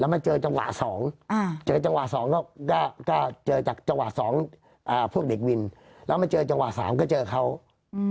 มาเจอจังหวะสองอ่าเจอจังหวะสองก็ก็เจอจากจังหวะสองอ่าพวกเด็กวินแล้วมาเจอจังหวะสามก็เจอเขาอืม